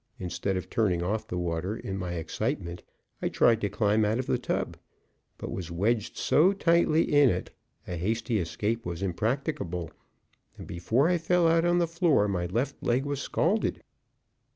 Instead of turning off the water, in my excitement I tried to climb out of the tub, but was wedged so tightly in it a hasty escape was impracticable, and before I fell out on the floor my left leg was scalded.